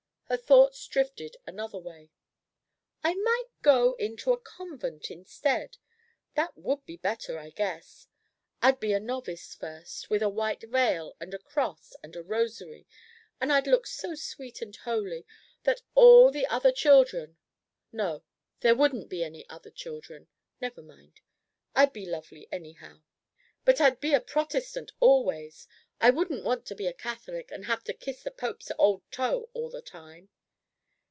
Her thoughts drifted another way. "I might go into a convent instead. That would be better, I guess. I'd be a novice first, with a white veil and a cross and a rosary, and I'd look so sweet and holy that all the other children, no, there wouldn't be any other children, never mind! I'd be lovely, anyhow. But I'd be a Protestant always! I wouldn't want to be a Catholic and have to kiss the Pope's old toe all the time!